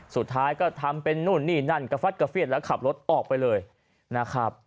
สุดท้ายก็ทำเป็นนู่นนี่นั่นกระฟัดกระเฟียดแล้วขับรถออกไปเลยนะครับ